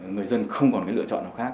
người dân không còn cái lựa chọn nào khác